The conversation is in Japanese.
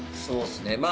そうですね